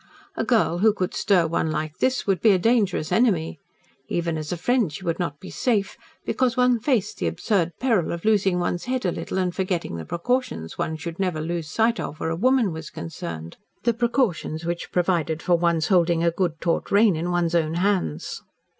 A girl who could stir one like this would be a dangerous enemy. Even as a friend she would not be safe, because one faced the absurd peril of losing one's head a little and forgetting the precautions one should never lose sight of where a woman was concerned the precautions which provided for one's holding a good taut rein in one's own hands.